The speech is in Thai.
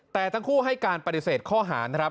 แต่ทั้งคู่ให้การปฏิเสธข้อหารนะครับ